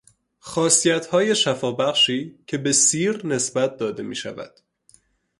خاصیتهای شفابخشی که به سیر نسبت داده میشود